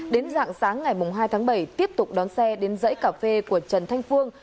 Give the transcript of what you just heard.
đến dạng sáng ngày hai tháng bảy tiếp tục đón xe đến dãy cà phê của trần thanh phương